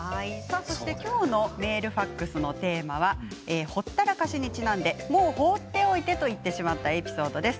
きょうのメールファックスのテーマはほったらかしにちなんでもう放っておいてと言ってしまったエピソードです。